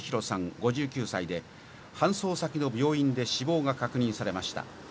５９歳で搬送先の病院で死亡が確認されました。